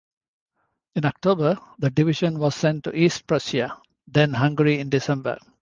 In October, the division was sent to East Prussia, then Hungary in December.